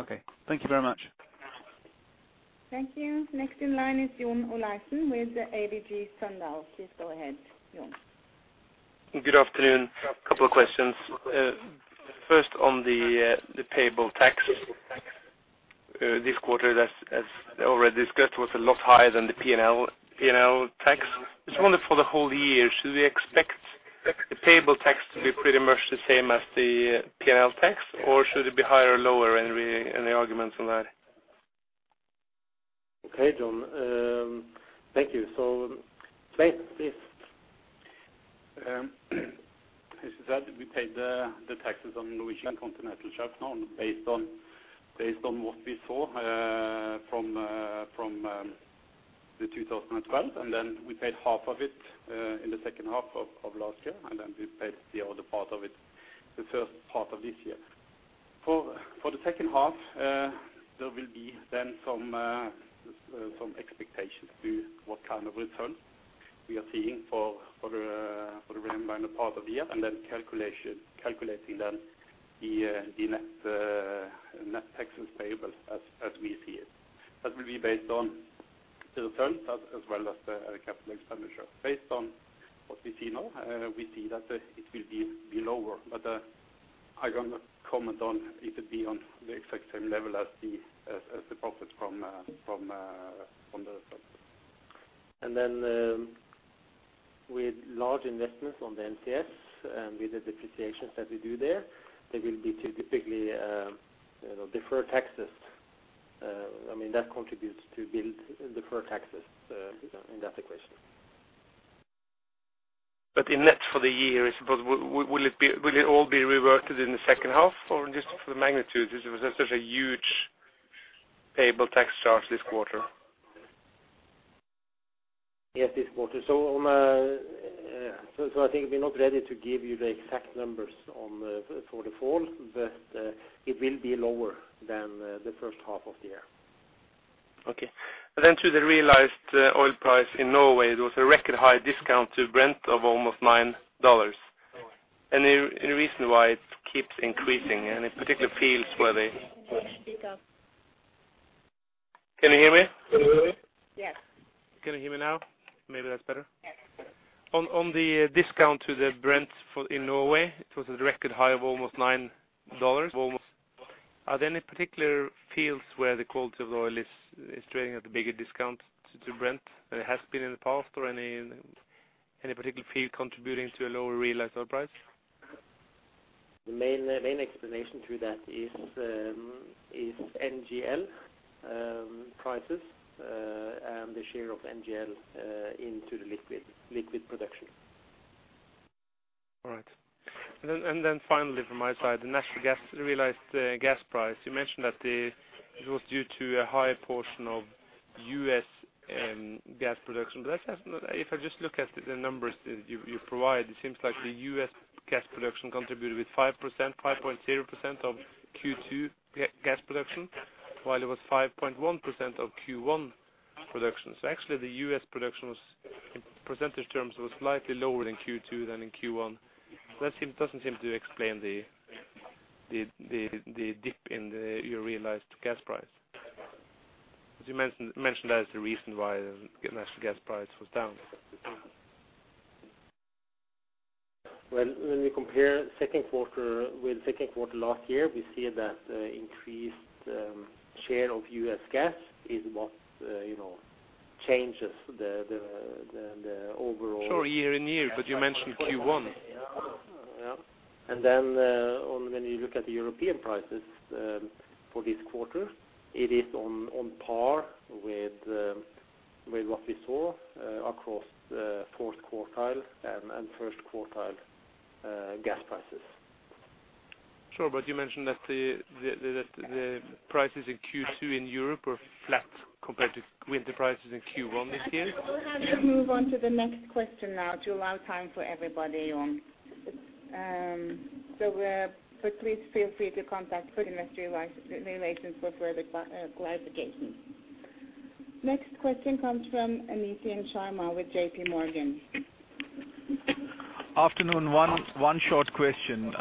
Okay. Thank you very much. Thank you. Next in line is John Olaisen with ABG Sundal Collier. Please go ahead, John. Good afternoon. Couple of questions. First on the payable tax this quarter that's, as already discussed, was a lot higher than the P&L tax. Just wondering for the whole year, should we expect the payable tax to be pretty much the same as the P&L tax, or should it be higher or lower? Any arguments on that? Okay, Jon. Thank you. Svein, please. As you said, we paid the taxes on the Norwegian Continental Shelf now based on what we saw. From 2012. We paid half of it in the second half of last year, and then we paid the other part of it in the first part of this year. For the second half, there will be some expectations to what kind of return we are seeing for the remaining part of the year and then calculating the net taxes payable as we see it. That will be based on the returns as well as the capital expenditure. Based on what we see now, we see that it will be lower. I cannot comment on it'll be on the exact same level as the profits from the With large investments on the NCS and with the depreciations that we do there will be, too, typically, you know, defer taxes. I mean, that contributes to build deferred taxes in that equation. In net for the year, I suppose, will it all be reverted in the second half? Or just for the magnitude, is it such a huge payable tax charge this quarter? Yes, this quarter. I think we're not ready to give you the exact numbers on the for the fall, but it will be lower than the first half of the year. Okay. To the realized oil price in Norway, it was a record high discount to Brent of almost $9. Any reason why it keeps increasing? Any particular fields? Can you hear me? Yes. Can you hear me now? Maybe that's better. Yes. On the discount to the Brent in Norway, it was a record high of almost $9. Are there any particular fields where the quality of oil is trading at a bigger discount to Brent than it has been in the past? Or any particular field contributing to a lower realized oil price? The main explanation to that is NGL prices and the share of NGL into the liquid production. All right. Finally from my side, the natural gas realized gas price. You mentioned that it was due to a higher portion of U.S. gas production. If I just look at the numbers that you provide, it seems like the U.S. gas production contributed with 5.0% of Q2 gas production, while it was 5.1% of Q1 production. Actually the U.S. production was, in percentage terms, slightly lower in Q2 than in Q1. That doesn't seem to explain the dip in your realized gas price. You mentioned that as the reason why the natural gas price was down. When we compare second quarter with second quarter last year, we see that increased share of U.S. gas is what you know changes the overall. Sure, year-on-year, but you mentioned Q1. When you look at the European prices for this quarter, it is on par with what we saw across the fourth quarter and first quarter gas prices. Sure. You mentioned that the prices in Q2 in Europe were flat compared with the prices in Q1 this year. We'll have you move on to the next question now to allow time for everybody on. But please feel free to contact Investor Relations for further clarifications. Next question comes from Nitin Sharma with JPMorgan. Afternoon. One short question.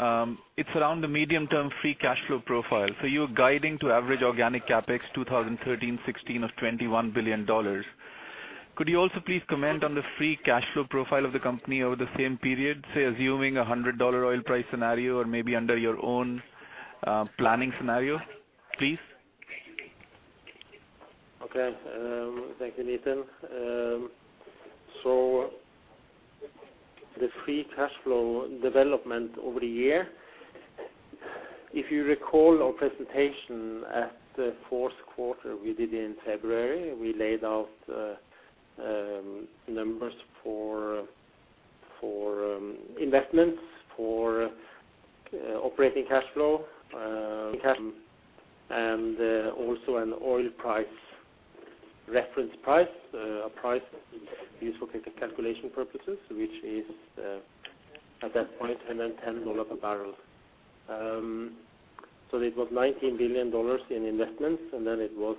It's around the medium-term free cash flow profile. You're guiding to average organic CapEx 2013-2016 of $21 billion. Could you also please comment on the free cash flow profile of the company over the same period, say assuming a $100 oil price scenario or maybe under your own planning scenario, please? Okay. Thank you, Nitin. The free cash flow development over the year, if you recall our presentation at the fourth quarter we did in February, we laid out numbers for investments, for operating cash flow, cash, and also an oil price reference price, a price used for calculation purposes, which is at that point $101 per barrel. It was $19 billion in investments, and then it was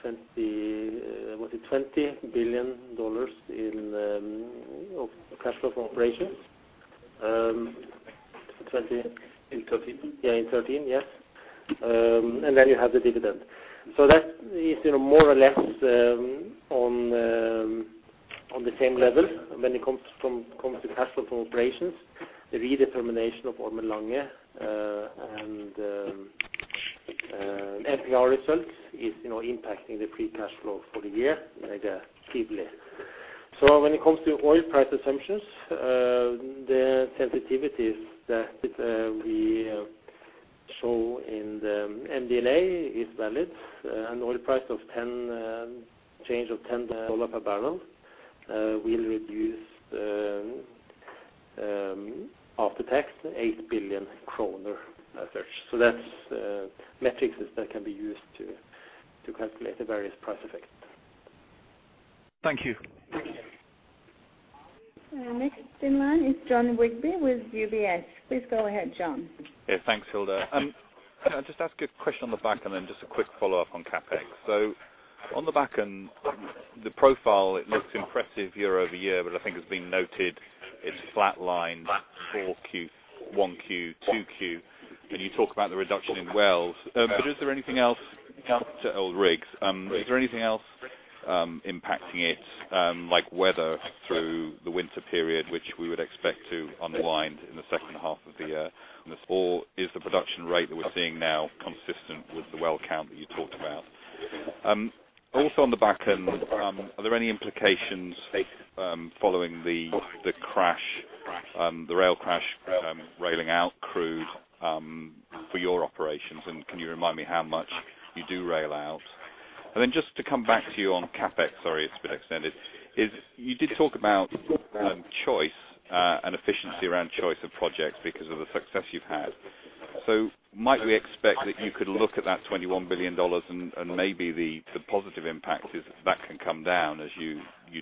twenty. Was it $20 billion in cash flow from operations. 20- In 2013. Yeah, in 2013. Yes. You have the dividend. That is, you know, more or less on the same level when it comes to cash flow from operations. The redetermination of Odfjell and NPD results is, you know, impacting the free cash flow for the year heavily. When it comes to oil price assumptions, the sensitivities that we show in the MD&A is valid. An oil price change of $10 per barrel will reduce after tax 8 billion kroner or so. That's metrics that can be used to calculate the various price effects. Thank you. Thank you. Next in line is Jon Rigby with UBS. Please go ahead, Jon. Yeah. Thanks, Hilde. Can I just ask a question on the back end and then just a quick follow-up on CapEx. On the back end, the profile, it looks impressive year-over-year, but I think it's been noted it's flatlined Q4, Q1, Q2, and you talk about the reduction in wells. But is there anything else coming to old rigs. Is there anything else impacting it, like weather through the winter period which we would expect to unwind in the second half of the year? Is the production rate that we're seeing now consistent with the well count that you talked about. Also on the back end, are there any implications following the crash, the rail crash, rail out crude, for your operations? Can you remind me how much you do rail out? Then just to come back to you on CapEx, sorry, it's a bit extended, is you did talk about choice and efficiency around choice of projects because of the success you've had. Might we expect that you could look at that $21 billion and maybe the positive impact is that can come down as you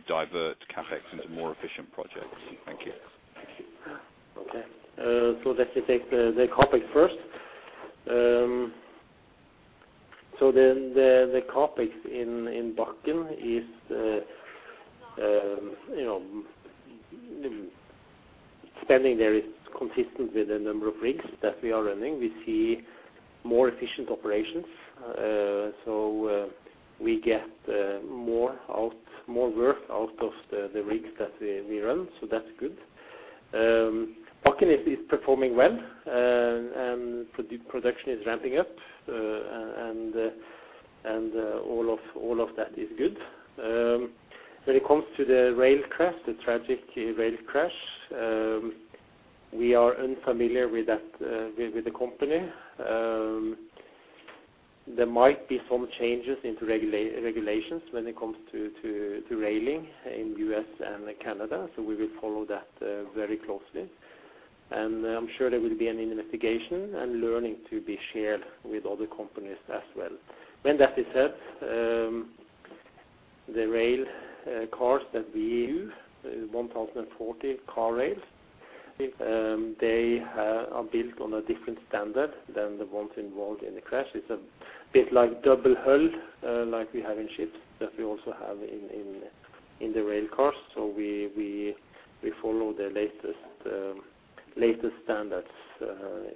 divert CapEx into more efficient projects? Thank you. Thank you. Okay. Let me take the CapEx first. The CapEx in Bakken is, you know, spending there is consistent with the number of rigs that we are running. We see more efficient operations, so we get more out, more worth out of the rigs that we run. That's good. Bakken is performing well, and production is ramping up, and all of that is good. When it comes to the rail crash, the tragic rail crash, we are unfamiliar with that, with the company. There might be some changes in regulations when it comes to railing in U.S. and Canada, so we will follow that very closely. I'm sure there will be an investigation and learning to be shared with other companies as well. When that is said, the rail cars that we use, 1,040 rail cars, they are built on a different standard than the ones involved in the crash. It's a bit like double hull, like we have in ships that we also have in the rail cars. We follow the latest standards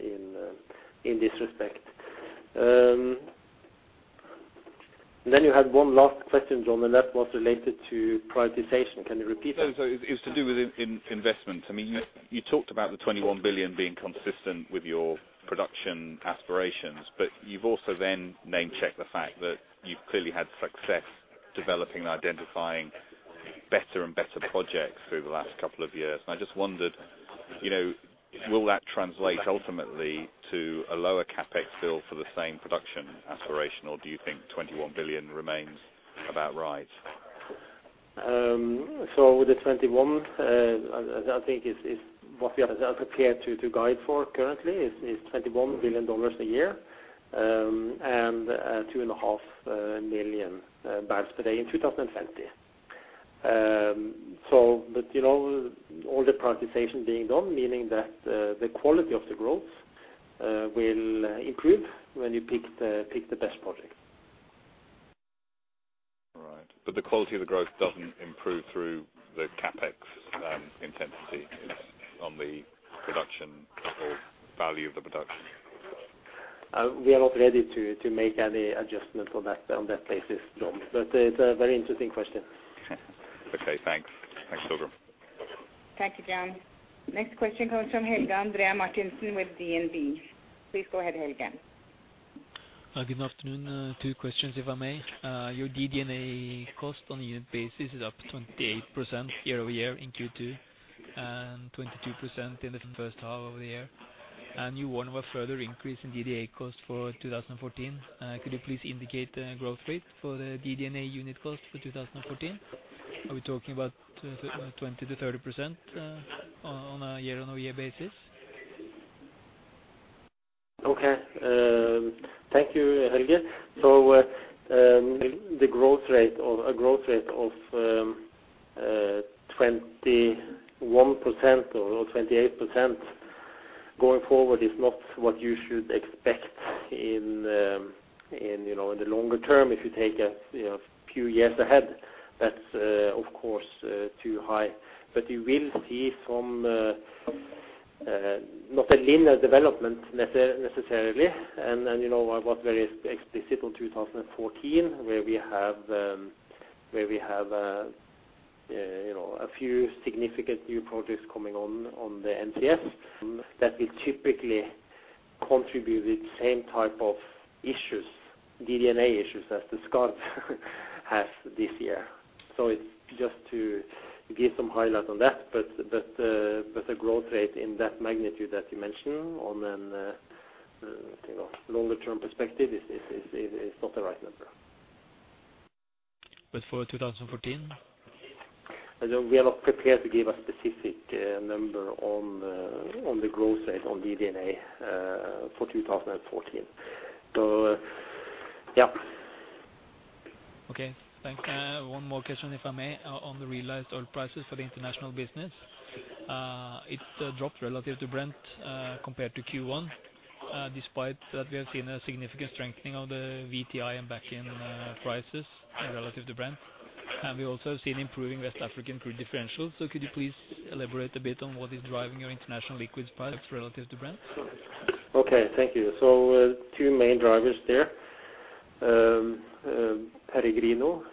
in this respect. You had one last question, John, and that was related to prioritization. Can you repeat that? It's to do with investments. I mean, you talked about the $21 billion being consistent with your production aspirations, but you've also then name-checked the fact that you've clearly had success developing and identifying better and better projects through the last couple of years. I just wondered, you know, will that translate ultimately to a lower CapEx bill for the same production aspiration, or do you think $21 billion remains about right? I think $21 billion is what we are prepared to guide for currently, $21 billion a year and 2.5 MMbpd in 2020. You know, all the prioritization being done, meaning that the quality of the growth will improve when you pick the best project. All right. The quality of the growth doesn't improve through the CapEx intensity. It's on the production or value of the production. We are not ready to make any adjustment on that basis, Jon. It's a very interesting question. Okay, thanks. Thanks, Torgrim. Thank you, Jon. Next question comes from Helge André Martinsen with DNB. Please go ahead, Helge. Hi. Good afternoon. Two questions if I may. Your DD&A cost on a unit basis is up 28% year-over-year in Q2, and 22% in the first half of the year. You warn of a further increase in DD&A cost for 2014. Could you please indicate the growth rate for the DD&A unit cost for 2014? Are we talking about 20%-30%, on a year-on-year basis? Okay. Thank you, Helge. The growth rate or a growth rate of 21% or 28% going forward is not what you should expect in, you know, in the longer term. If you take a few years ahead, that's of course too high. But you will see some not a linear development necessarily. You know, I was very explicit in 2014, where we have, you know, a few significant new projects coming on the NCS that will typically contribute the same type of issues, DD&A issues as the Skarv has this year. It's just to give some highlight on that. The growth rate in that magnitude that you mentioned on an, you know, longer term perspective is not the right number. But for two thousand and fourteen? I know we are not prepared to give a specific number on the growth rate on DD&A for 2014. Yeah. Okay, thanks. I have one more question, if I may, on the realized oil prices for the international business. It dropped relative to Brent compared to Q1, despite that we have seen a significant strengthening of the WTI and Bakken prices relative to Brent. We also have seen improving West African crude differentials. Could you please elaborate a bit on what is driving your international liquids products relative to Brent? Okay, thank you. Two main drivers there. Peregrino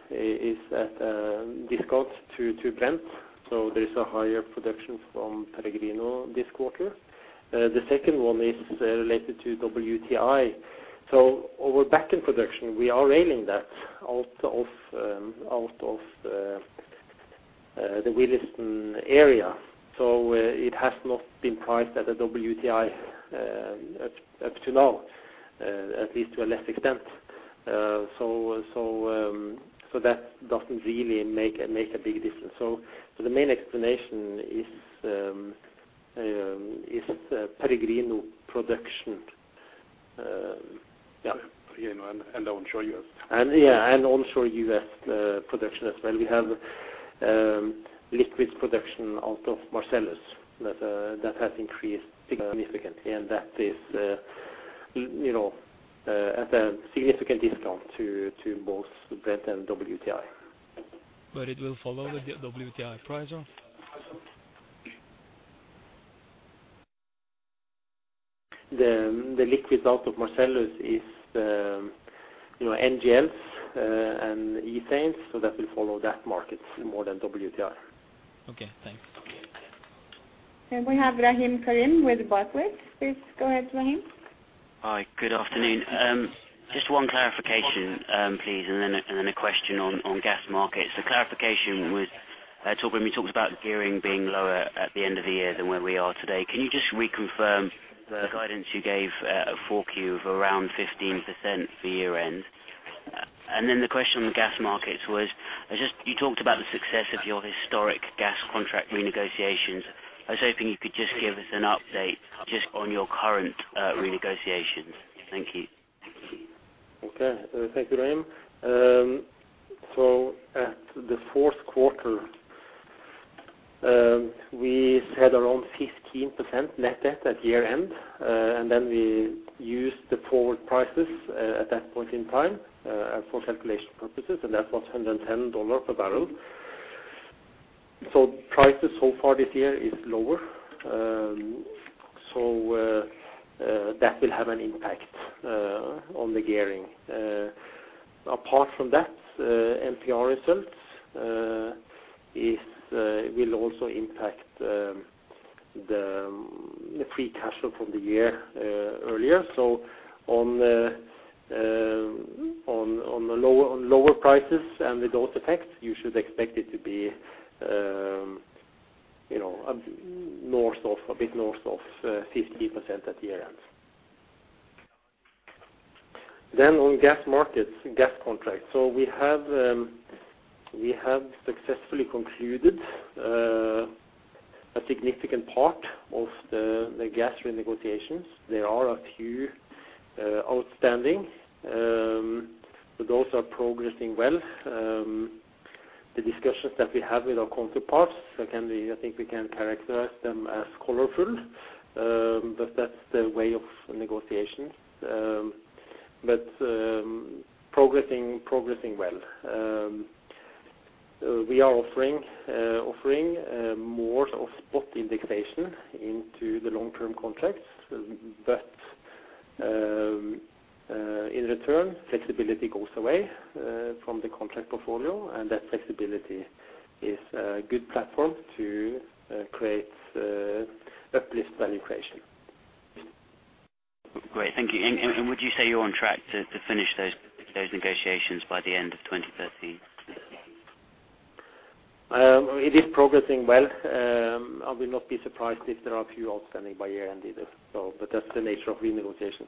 is at a discount to Brent, so there is higher production from Peregrino this quarter. The second one is related to WTI. Our Bakken production, we are railing that out of the Williston area. It has not been priced at a WTI up to now, at least to a lesser extent. That doesn't really make a big difference. The main explanation is Peregrino production. Yeah. You know, and onshore U.S. Onshore U.S. production as well. We have liquids production out of Marcellus that has increased significantly, and that is, you know, at a significant discount to both Brent and WTI. It will follow the WTI price up? The liquids out of Marcellus is, you know, NGLs, and ethanes, so that will follow that market more than WTI. Okay, thanks. We have Rahim Karim with Barclays. Please go ahead, Rahim. Hi, good afternoon. Just one clarification, please, and then a question on gas markets. The clarification with Torgrim Reitan, when he talks about gearing being lower at the end of the year than where we are today. Can you just reconfirm the guidance you gave at 4Q of around 15% for year-end? The question on the gas markets was, you talked about the success of your historic gas contract renegotiations. I was hoping you could just give us an update just on your current renegotiations. Thank you. Okay. Thank you, Rahim. At the fourth quarter, we said around 15% net debt at year-end, and then we used the forward prices at that point in time for calculation purposes, and that was $110 per barrel. Prices so far this year is lower. That will have an impact on the gearing. Apart from that, MPR results will also impact the free cash flow from the year earlier. On lower prices and with those effects, you should expect it to be, you know, north of, a bit north of 15% at year-end. On gas markets, gas contracts. We have successfully concluded a significant part of the gas renegotiations. There are a few outstanding, but those are progressing well. The discussions that we have with our counterparts, again, I think we can characterize them as colorful, but that's the way of negotiations, progressing well. We are offering more of spot indexation into the long-term contracts. In return, flexibility goes away from the contract portfolio, and that flexibility is a good platform to create uplift value creation. Great. Thank you. Would you say you're on track to finish those negotiations by the end of 2013? It is progressing well. I will not be surprised if there are a few outstanding by year-end either. That's the nature of renegotiation.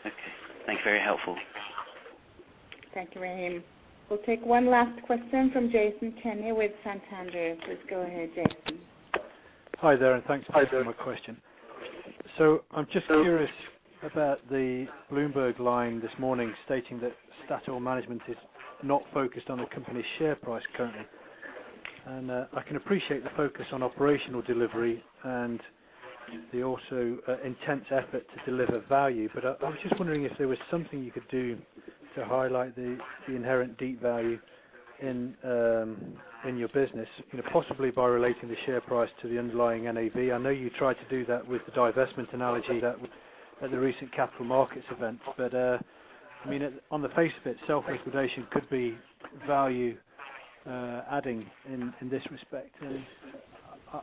Okay. Thank you. Very helpful. Thank you, Rahim. We'll take one last question from Jason Kenney with Santander. Please go ahead, Jason. Hi there, and thanks for taking my question. Hi. I'm just curious about the Bloomberg line this morning stating that Statoil management is not focused on the company's share price currently. I can appreciate the focus on operational delivery and the also intense effort to deliver value. I was just wondering if there was something you could do to highlight the inherent deep value in your business, you know, possibly by relating the share price to the underlying NAV. I know you tried to do that with the divestment analogy that at the recent capital markets event. I mean, on the face of it, self-incrimination could be value adding in this respect.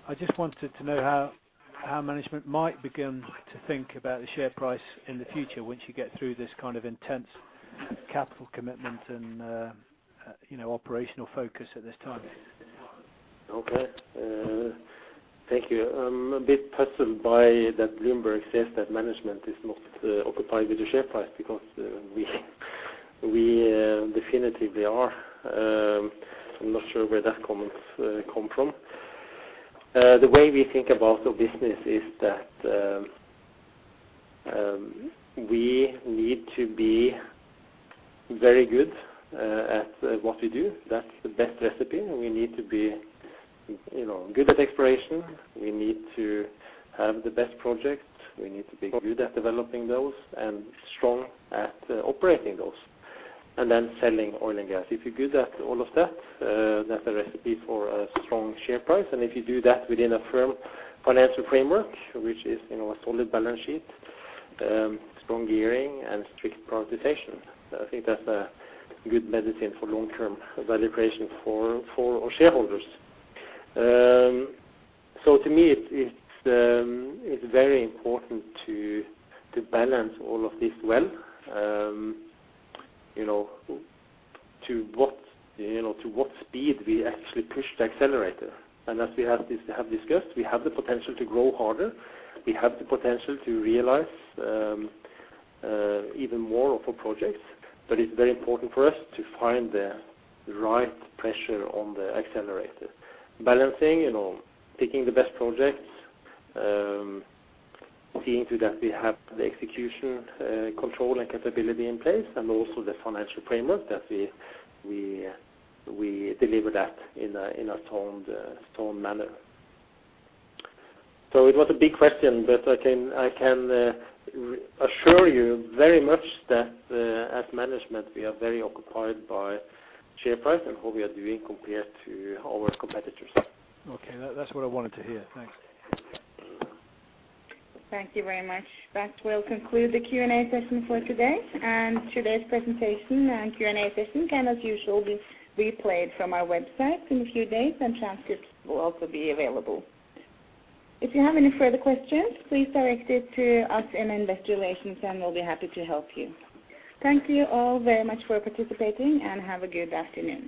I just wanted to know how management might begin to think about the share price in the future once you get through this kind of intense capital commitment and, you know, operational focus at this time? Okay. Thank you. I'm a bit puzzled by that Bloomberg says that management is not occupied with the share price because we definitively are. I'm not sure where that comment come from. The way we think about the business is that we need to be very good at what we do. That's the best recipe, and we need to be, you know, good at exploration. We need to have the best projects. We need to be good at developing those and strong at operating those, and then selling oil and gas. If you're good at all of that's a recipe for a strong share price. If you do that within a firm financial framework, which is, you know, a solid balance sheet, strong gearing, and strict prioritization, I think that's a good medicine for long-term valuation for our shareholders. To me, it's very important to balance all of this well. You know, to what speed we actually push the accelerator. As we have discussed, we have the potential to grow harder. We have the potential to realize even more of our projects, but it's very important for us to find the right pressure on the accelerator. Balancing, you know, picking the best projects, seeing to that we have the execution, control, and capability in place, and also the financial framework that we deliver that in a sound manner. It was a big question, but I can assure you very much that, as management, we are very occupied by share price and what we are doing compared to our competitors. Okay. That's what I wanted to hear. Thanks. Thank you very much. That will conclude the Q&A session for today. Today's presentation and Q&A session can as usual be replayed from our website in a few days, and transcripts will also be available. If you have any further questions, please direct it to us in Investor Relations, and we'll be happy to help you. Thank you all very much for participating, and have a good afternoon.